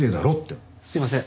すいません。